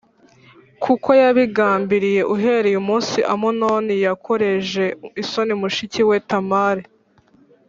kuko yabigambiriye uhereye umunsi Amunoni yakoreje isoni mushiki we Tamari.